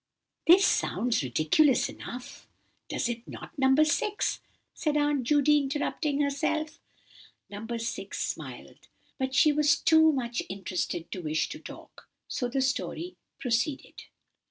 "This sounds ridiculous enough, does it not, dear No. 6?" said Aunt Judy, interrupting herself. No. 6 smiled, but she was too much interested to wish to talk; so the story proceeded.